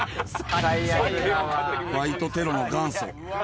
バイトテロの元祖。